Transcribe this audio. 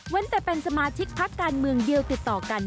แต่เป็นสมาชิกพักการเมืองเดียวติดต่อกัน